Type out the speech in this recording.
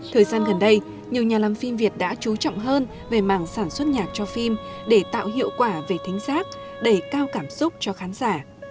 thời gian gần đây nhiều nhà làm phim việt đã trú trọng hơn về mảng sản xuất nhạc cho phim để tạo hiệu quả về thánh giác đẩy cao cảm xúc cho khán giả